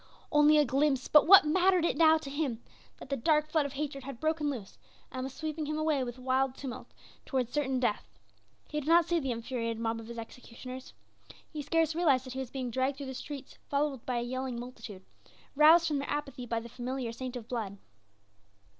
Only a glimpse, but what mattered it now to him that the dark flood of hatred had broken loose and was sweeping him away with wild tumult towards certain death. He did not see the infuriated mob of his executioners; he scarce realized that he was being dragged through the streets followed by a yelling multitude, roused from their apathy by the familiar scent of blood.